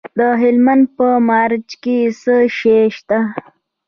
د هلمند په مارجه کې څه شی شته؟